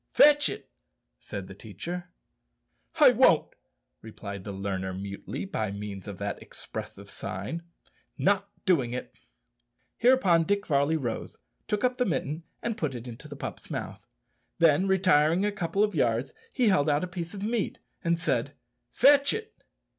"Fetch it," said the teacher. "I won't," replied the learner mutely, by means of that expressive sign not doing it. Hereupon Dick Varley rose, took up the mitten, and put it into the pup's mouth. Then, retiring a couple of yards, he held out the piece of meat and said, "Fetch it."